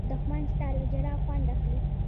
دښمن ستا له ژړا خوند اخلي